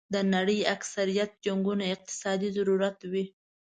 د نړۍ اکثریت جنګونه اقتصادي ضرورت وي.